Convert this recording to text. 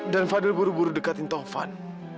dan fadil buru buru dekatin taufan